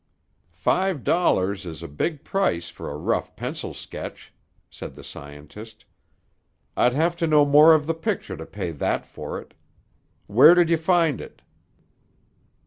"Five dollars is a big price for a rough pencil sketch," said the scientist. "I'd have to know more of the picture to pay that for it. Where did you find it?"